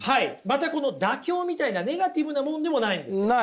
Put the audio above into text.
またこの妥協みたいなネガティブなものでもないんです。